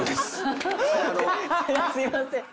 すいません。